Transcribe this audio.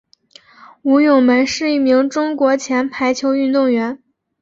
吴咏梅是一名中国前排球运动员。